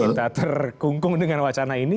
kita terkungkung dengan wacana ini